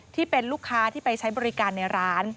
ที่เป็นลูกค้าที่ไปใช้บริการในร้าน